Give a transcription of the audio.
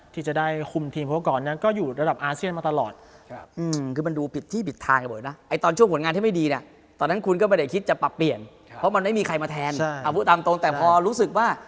ที่จะได้คุมทีมภูเขาก่อนเนี่ยก็อยู่ระดับอาเซียนมาตลอด